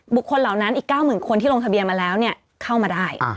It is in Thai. เหล่านั้นอีก๙๐๐คนที่ลงทะเบียนมาแล้วเข้ามาได้